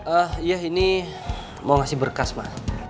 ah iya ini mau kasih berkas ma